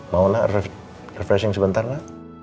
mau ma refreshing sebentar ma